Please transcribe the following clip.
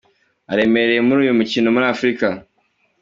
aremereye muri uyu mukino muri Afurika.